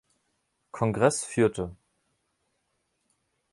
Kongress führte.